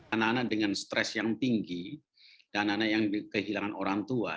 anak anak dengan stres yang tinggi dan anak yang kehilangan orang tua